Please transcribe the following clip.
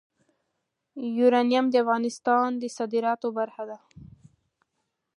یورانیم د افغانستان د صادراتو برخه ده.